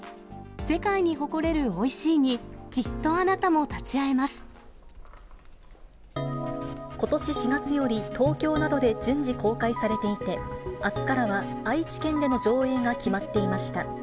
世界に誇れるおいしいに、きっとことし４月より、東京などで順次公開されていて、あすからは愛知県での上映が決まっていました。